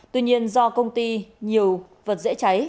tuy nhiên do công ty nhiều vật dễ cháy